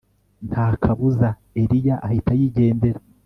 nta kabuza Eliya ahita yigendera